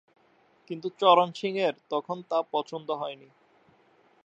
কিন্তু, চরণ সিংয়ের তখন তা পছন্দ হয়নি।